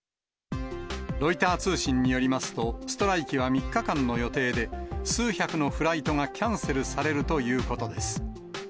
ロイター通信によりますと、ストライキは３日間の予定で、数百のフライトがキャンセルされるということです。